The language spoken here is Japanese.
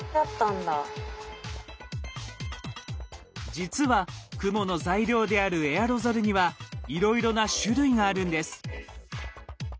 実は雲の材料であるエアロゾルにはいろいろな種類があるんです。